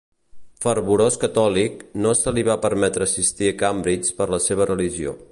Fervorós catòlic, no se li va permetre assistir a Cambridge per la seva religió.